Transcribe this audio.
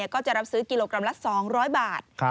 ก็จะรับซื้อกิโลกรัมละ๒๐๐บาท